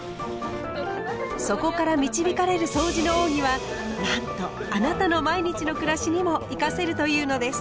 そこから導かれるそうじの奥義はなんとあなたの毎日の暮らしにも生かせるというのです。